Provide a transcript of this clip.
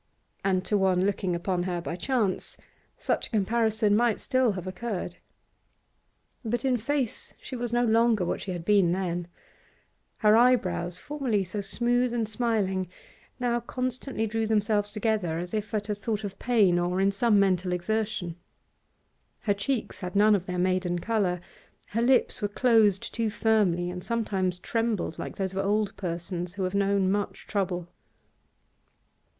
And to one looking upon her by chance such a comparison might still have occurred. But in face she was no longer what she had then been. Her eyebrows, formerly so smooth and smiling, now constantly drew themselves together as if at a thought of pain or in some mental exertion. Her cheeks had none of their maiden colour. Her lips were closed too firmly, and sometimes trembled like those of old persons who have known much trouble.